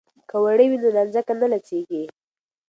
که وړۍ وي نو نانځکه نه لڅیږي.